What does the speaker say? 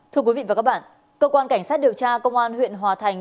thưa quý vị và các bạn cơ quan cảnh sát điều tra công an huyện hòa thành